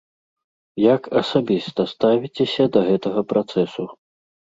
Як асабіста ставіцеся да гэтага працэсу?